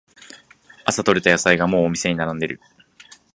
朝とれた野菜がもうお店に並んでる